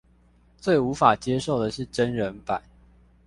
最無法接受的是真人版